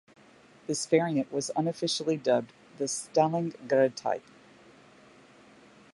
This variant was unofficially dubbed the "Stalingradtyp".